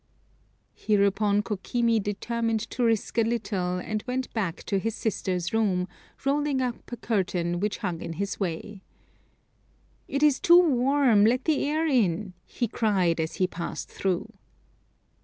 Hereupon Kokimi determined to risk a little, and went back to his sister's room, rolling up a curtain which hung in his way. "It is too warm let the air in!" he cried, as he passed through.